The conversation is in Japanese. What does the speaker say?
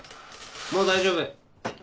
もう大丈夫。